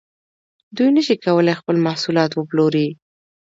دوی نشي کولای خپل محصولات وپلوري